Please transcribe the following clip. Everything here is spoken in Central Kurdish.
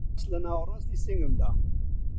ڕاست لە ناوەڕاستی سنگمدا